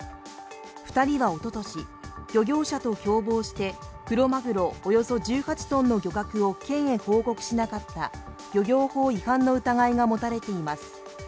２人はおととし、漁業者と共謀してクロマグロおよそ１８ｔの漁獲を県へ報告しなかった漁業法違反の疑いが持たれています。